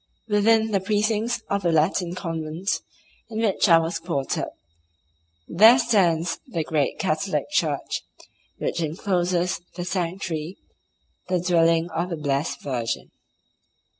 Within the precincts of the Latin convent in which I was quartered there stands the great Catholic church which encloses the sanctuary, the dwelling of the blessed Virgin.